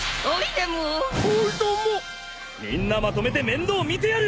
みんなまとめて面倒見てやる！